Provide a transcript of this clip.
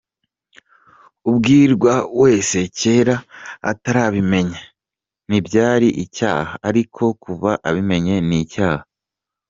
Ubwirwa wese, kera atarabimenya ntibyari icyaha, ariko kuva abimenye ni icyaha.